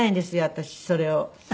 私それを。